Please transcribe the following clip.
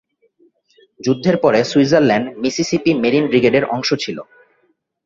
যুদ্ধের পরে, Switzerland Mississippi marine ব্রিগেডের অংশ ছিল।